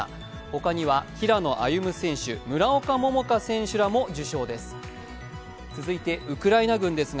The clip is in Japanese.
他には平野歩夢選手、村岡桃佳選手らも受章です。